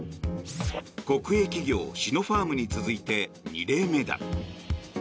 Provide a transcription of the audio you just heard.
国営企業シノファームに続いて２例目だ。